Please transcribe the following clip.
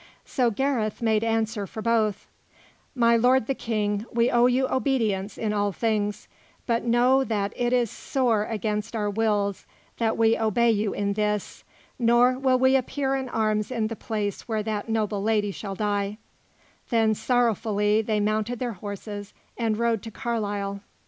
So Gareth made answer for both: "My Lord the King, we owe you obedience in all things, but know that it is sore against our wills that we obey you in this; nor will we appear in arms in the place where that noble lady shall die"; then sorrowfully they mounted their horses and rode to Carlisle.